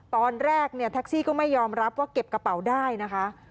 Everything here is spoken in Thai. ตอนแรกเนี่ยแท็กซี่ก็ไม่ยอมรับว่าเก็บกระเป๋าได้นะคะ